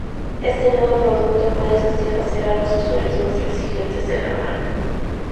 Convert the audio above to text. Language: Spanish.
Éste nuevo producto puede satisfacer a los usuarios más exigentes de la marca.